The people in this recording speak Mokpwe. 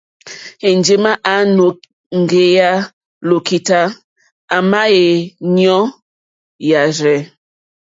Enjema a nɔ̀ŋgeya lokità, àma è nyoò yàrzɛ.